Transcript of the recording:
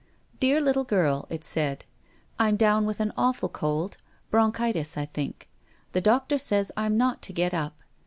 " Dear Little Girl," it said, " I'm down with an awful cold — bronchitis, I think. The doctor says I'm not to get up.